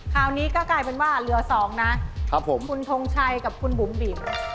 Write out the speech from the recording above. คราวนี้ก็กลายเป็นว่าเหลือสองนะครับผมคุณทงชัยกับคุณบุ๋มบิ๋ม